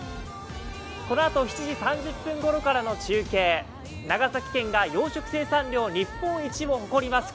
このあと７時３０分頃からの中継、長崎県が養殖生産量日本一を誇ります